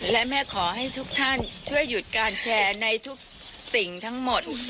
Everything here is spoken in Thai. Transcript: และแม่ขอให้ทุกท่านช่วยหยุดการแชร์ในทุกสิ่งทั้งหมด